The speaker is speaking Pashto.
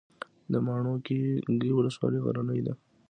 د ماڼوګي ولسوالۍ غرنۍ ده